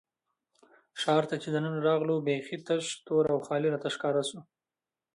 ښار ته چې دننه راغلو، بېخي تش، تور او خالي راته ښکاره شو.